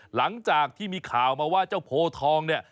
หลังจากที่มีข่าวมาว่าเจ้าโพทองเนี่ย